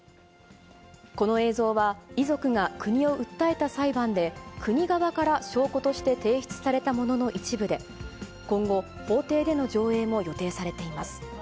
この映像は、遺族が国を訴えた裁判で、国側から証拠として提出されたものの一部で、今後、法廷での上映も予定されています。